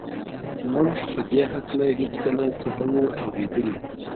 موږ په دې هکله هېڅکله څه نه وو اورېدلي